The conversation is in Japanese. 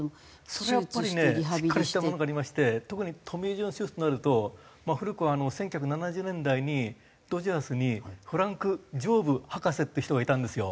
それはやっぱりねしっかりしたものがありまして特にトミー・ジョン手術となると古くは１９７０年代にドジャースにフランク・ジョーブ博士っていう人がいたんですよ。